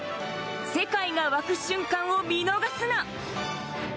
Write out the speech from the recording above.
世界が沸く瞬間を見逃すな！